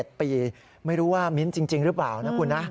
อายุ๒๗ปีไม่รู้ว่ามิ้นจริงรึเปล่านะคุณน่ะ